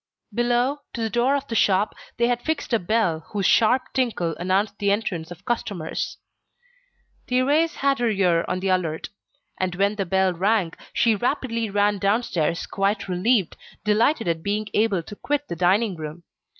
Below, to the door of the shop, they had fixed a bell whose sharp tinkle announced the entrance of customers. Thérèse had her ear on the alert; and when the bell rang, she rapidly ran downstairs quite relieved, delighted at being able to quit the dining room.